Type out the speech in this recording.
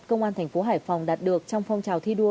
công an thành phố hải phòng đạt được trong phong trào thi đua